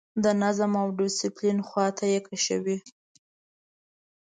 د نظم او ډسپلین خواته یې کشوي.